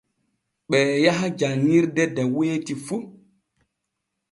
Ɓee yaha janŋirde de weyti fu.